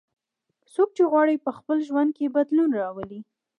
څوک غواړي چې په خپل ژوند کې بدلون راولي